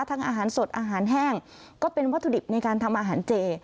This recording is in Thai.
อาหารสดอาหารแห้งก็เป็นวัตถุดิบในการทำอาหารเจ